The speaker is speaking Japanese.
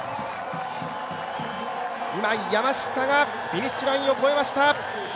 今、其田がフィニッシュラインを越えました。